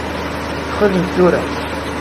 Xedmem-t tura.